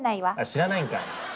知らないんかい！